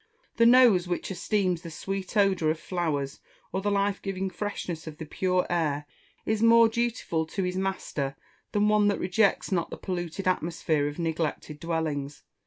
The Nose which esteems the sweet odour of flowers, or the life giving freshness of the pure air, is more dutiful to his master than one that rejects not the polluted atmosphere of neglected dwellings.